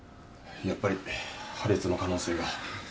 やっぱり破裂の可能性が。